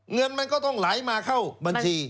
เงินมันก็ต้องไหลมาเข้าบัญชี